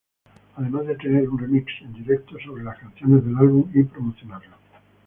Además de tener un remix en directo sobre las canciones del álbum y promocionarlo.